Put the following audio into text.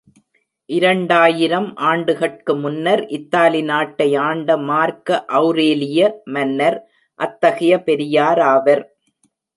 இரண்டாயிரம் ஆண்டுகட்கு முன்னர் இத்தாலி நாட்டை ஆண்ட மார்க்க ஔரேலிய மன்னர் அத்தகைய பெரியாராவர்.